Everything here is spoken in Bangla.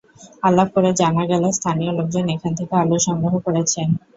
আলাপ করে জানা গেল, স্থানীয় লোকজন এখান থেকে আলু সংগ্রহ করেছেন।